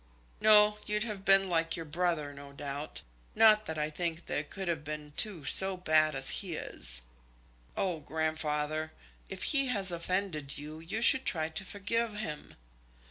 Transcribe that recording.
"No; you'd have been like your brother, no doubt. Not that I think there could have been two so bad as he is." "Oh, grandfather, if he has offended you, you should try to forgive him."